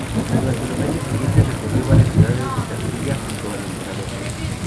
Durante los años siguientes recorrió varias ciudades de Castilla junto al emperador.